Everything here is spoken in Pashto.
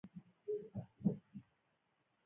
د مومن خان او شیرینو کیسه مشهوره ده.